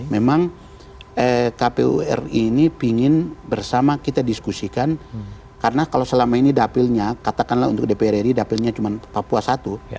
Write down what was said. memang kpu ri ini pingin bersama kita diskusikan karena kalau selama ini dapilnya katakanlah untuk dpr ri dapilnya cuma papua satu